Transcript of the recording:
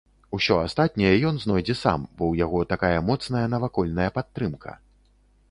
Усё астатняе ён знойдзе сам, бо ў яго такая моцная навакольная падтрымка.